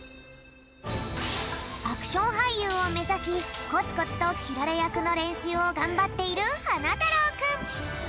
アクションはいゆうをめざしコツコツときられやくのれんしゅうをがんばっているはなたろうくん。